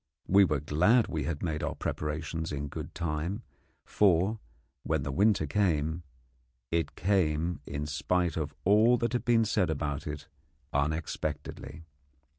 We were glad we had made our preparations in good time, for, when the winter came, it came, in spite of all that had been said about it, unexpectedly.